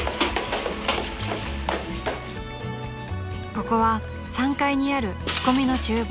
［ここは３階にある仕込みの厨房］